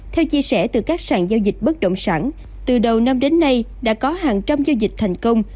theo chia sẻ từ các sàn giao dịch bất động sản từ đầu năm đến nay đã có hàng trăm giao dịch thành công